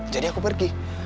jadi aku pergi